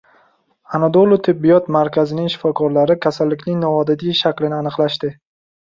Anadolu tibbiyot markazining shifokorlari kasallikning noodatiy shaklini aniqlashdi